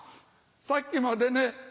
さっきまでね